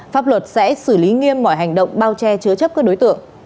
pháp luật sẽ xử lý nghiêm mọi hành động bao che chứa chấp các đối tượng